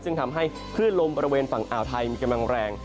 ซึ่งทำให้คลื่นลมบริเวณฝั่งอ่าวไทยมีกำลังแรง